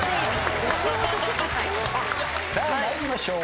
さあ参りましょう。